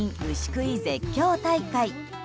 喰い絶叫大会。